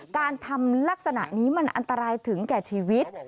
การทำลักษณะนี้มันอันตรายถึงแก่ชีวิต